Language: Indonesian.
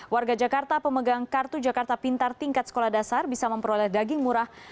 warga jakarta pemegang kartu jakarta pintar tingkat sekolah dasar bisa memperoleh daging murah